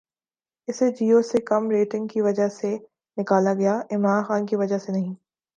اسے جیو سے کم ریٹننگ کی وجہ سے نکالا گیا، عمران خان کی وجہ سے نہیں